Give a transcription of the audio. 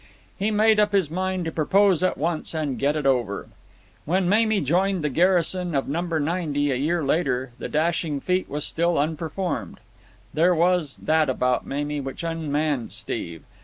He made up his mind to propose at once and get it over. When Mamie joined the garrison of No. 90 a year later the dashing feat was still unperformed. There was that about Mamie which unmanned Steve.